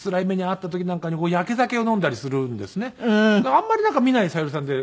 あんまりなんか見ない小百合さんで。